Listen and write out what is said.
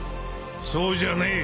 そうじゃねえ。